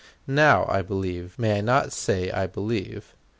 Now, I believe may I not say I believe?